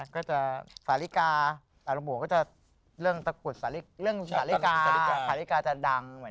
ก็จะสาฬิกาสาฬิกาจะดัง